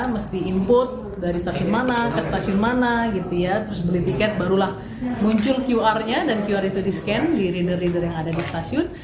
mesti input dari stasiun mana ke stasiun mana gitu ya terus beli tiket barulah muncul qr nya dan qr itu di scan di reader rider yang ada di stasiun